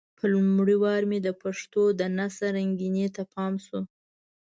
په لومړي وار مې د پښتو د نثر رنګينۍ ته پام شو.